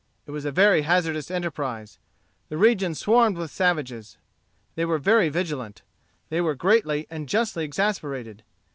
It was a very hazardous enterprise. The region swarmed with savages. They were very vigilant. They were greatly and justly exasperated.